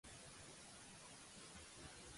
Val més quedar amb apetit que haver d'anar al llit.